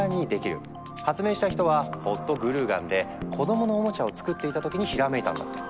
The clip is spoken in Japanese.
発明した人はホットグルーガンで子供のおもちゃを作っていた時にひらめいたんだって。